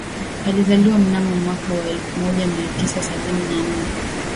Alizaliwa mnamo mwaka wa elfu moja mia tisa sabini na nne